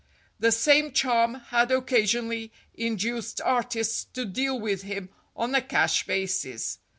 The same charm had occasionally in duced artists to deal with him on a cash basis.